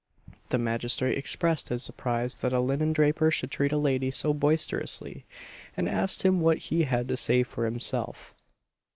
The magistrate expressed his surprise that a linendraper should treat a lady so boisterously; and asked him what he had to say for himself.